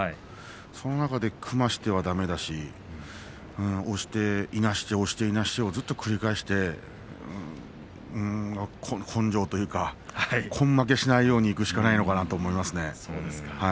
その中で組ませては、だめだし押して、いなして、押してを繰り返して根性というか困惑しないようにいくしかないのかなと思いますね。